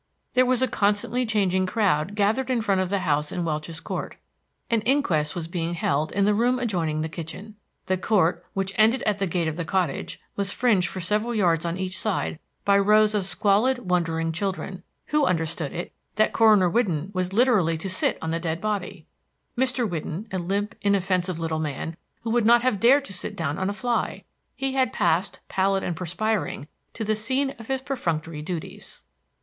There was a constantly changing crowd gathered in front of the house in Welch's Court. An inquest was being held in the room adjoining the kitchen. The court, which ended at the gate of the cottage, was fringed for several yards on each side by rows of squalid, wondering children, who understood it that Coroner Whidden was literally to sit on the dead body, Mr. Whidden, a limp, inoffensive little man, who would not have dared to sit down on a fly. He had passed, pallid and perspiring, to the scene of his perfunctory duties.